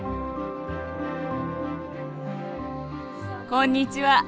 こんにちは。